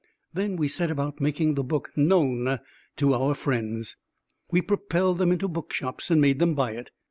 Then we set about making the book known to our friends. We propelled them into bookshops and made them buy it.